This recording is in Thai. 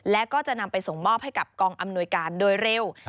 และก็จะนำไปส่งมอบให้กับกองอำนวยการโดยเร็ว